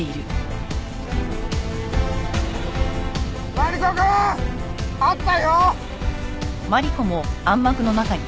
マリコくん！あったよ！